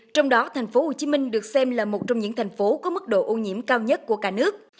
trong đó thành phố hồ chí minh được xem là một trong những thành phố có mức độ ô nhiễm cao nhất của cả nước